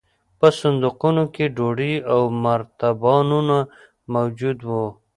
په صندوقونو کې ډوډۍ او مرتبانونه موجود وو